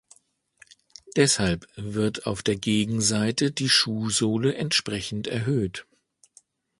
Deshalb wird auf der Gegenseite die Schuhsohle entsprechend erhöht.